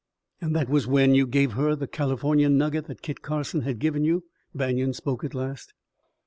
"And that was when you gave her the California nugget that Kit Carson had given you!" Banion spoke at last.